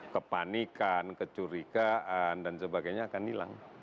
kepanikan kecurigaan dan sebagainya akan hilang